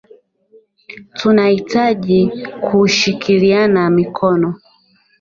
Tunahitaji kushikiliana mikono